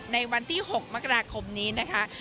ในวันที่๖มกราคมนี้นะคะ